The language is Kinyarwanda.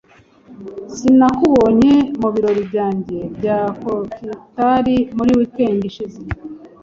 Sinakubonye mubirori byanjye bya cocktail muri weekend ishize.